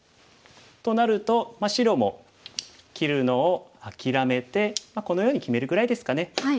となると白も切るのを諦めてこのように決めるぐらいですかね。